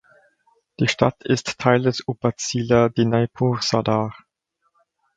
Die Stadt ist Teil des Upazila Dinajpur Sadar.